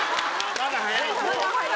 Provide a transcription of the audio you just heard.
まだ早い。